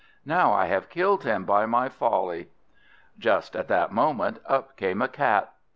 Now I have killed him by my folly." Just at that moment up came a Cat.